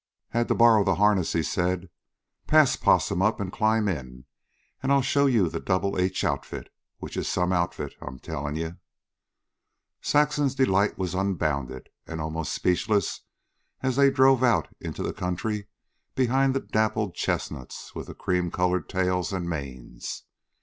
"Had to borrow the harness," he said. "Pass Possum up and climb in, an' I'll show you the Double H Outfit, which is some outfit, I'm tellin' you." Saxon's delight was unbounded and almost speechless as they drove out into the country behind the dappled chestnuts with the cream colored tails and manes.